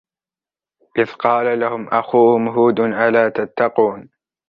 إِذْ قَالَ لَهُمْ أَخُوهُمْ هُودٌ أَلَا تَتَّقُونَ